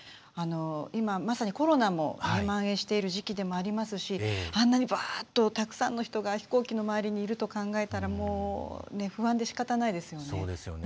今、まさにコロナもまん延している時期でもありますしあんなに、たくさんの人が飛行機の周りにいると考えたらもう不安でしかたないですよね。